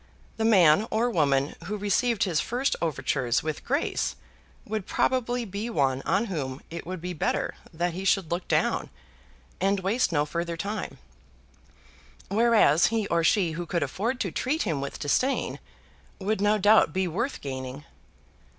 The man or woman who received his first overtures with grace would probably be one on whom it would be better that he should look down and waste no further time; whereas he or she who could afford to treat him with disdain would no doubt be worth gaining.